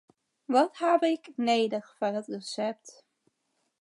Wat haw ik nedich foar it resept?